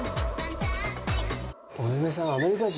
お嫁さんはアメリカ人？